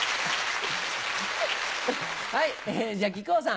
はいじゃあ木久扇さん。